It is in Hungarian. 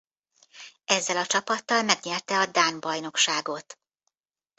Ezzel a csapattal megnyerte a dán bajnokságot.